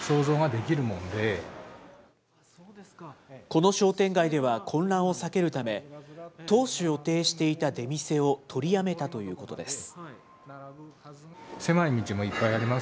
この商店街では混乱を避けるため、当初予定していた出店を取りやめたということです。